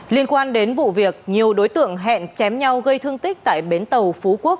liên quan đến vụ việc nhiều đối tượng hẹn chém nhau gây thương tích tại bến tàu phú quốc